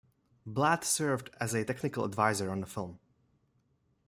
Blatt served as a technical adviser on the film.